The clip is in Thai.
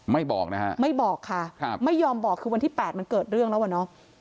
บอกนะฮะไม่บอกค่ะครับไม่ยอมบอกคือวันที่แปดมันเกิดเรื่องแล้วอ่ะเนอะ